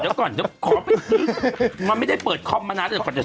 เนธเขาฟังไม่ได้เปิดคอร์มมานานรอดไก่